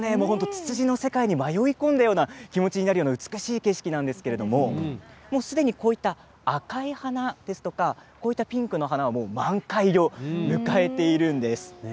ツツジの世界に迷い込んだような気持ちになる美しい景色なんですけれどもすでに、こうした赤い花ピンクの花は満開を迎えているんです。